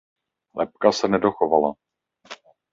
Lebka se nedochovala.